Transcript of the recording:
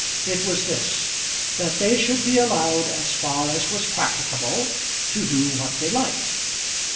It was this, that they should be allowed, as far as was practicable, to do what they liked.